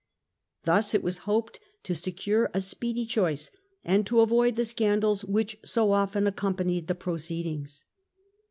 Thus it was hoped to secure a speedy choice and to avoid the scandals which so often accompanied the pro ceedings.